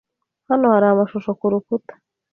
Hano hari amashusho kurukuta.